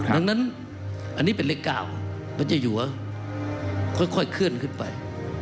ดังนั้นอันนี้เป็นเลข๙พระเจ้าอยู่ค่อยเคลื่อนขึ้นไป